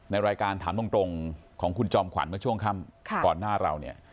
ในรายการถามตรงของคุณจอมขวัญเมื่อช่วงค่ำก่อนหน้าเราเนี่ย